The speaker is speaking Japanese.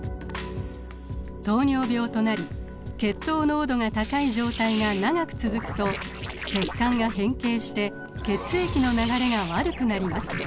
糖尿病となり血糖濃度が高い状態が長く続くと血管が変形して血液の流れが悪くなります。